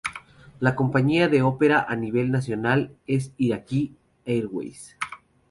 La compañía que opera a nivel nacional es Iraqi Airways.